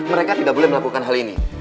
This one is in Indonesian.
mereka tidak boleh melakukan hal ini